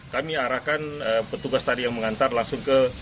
kami arahkan petugas tadi yang mengantar langsung ke